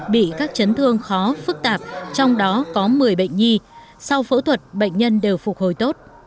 bị các chấn thương khó phức tạp trong đó có một mươi bệnh nhi sau phẫu thuật bệnh nhân đều phục hồi tốt